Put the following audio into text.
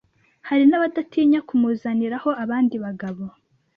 hari n’abadatinya kumuzaniraho abandi bagabo.